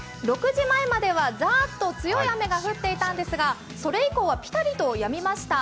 ６時前まではざーっと強い雨が降っていたんですがそれ以降はピタリとやみました。